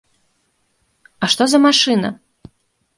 А што за машына?